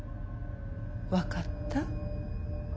分かった？